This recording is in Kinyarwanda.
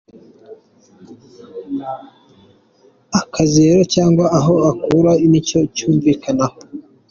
Akazi rero cyangwa aho akura nicyo cyumvikana aho.